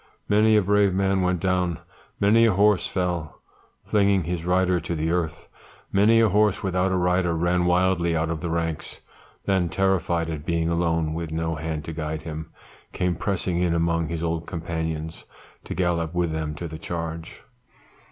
Many a brave man went down, many a horse fell, flinging his rider to the earth; many a horse without a rider ran wildly out of the ranks; then terrified at being alone, with no hand to guide him, came pressing in among his old companions, to gallop with them to the charge.